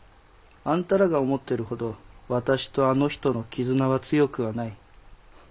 あんたらが思ってるほど私とあの人の絆は強くはない。